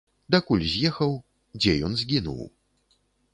Дакуль з'ехаў, дзе ён згінуў?